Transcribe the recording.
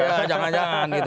ya jangan jangan gitu